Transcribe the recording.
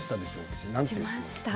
しました。